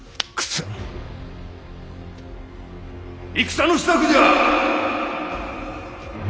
戦の支度じゃ！